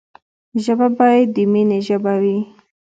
ژبه باید د ميني ژبه وي.